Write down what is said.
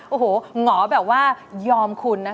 โอ้โหหงอแบบว่ายอมคุณนะคะ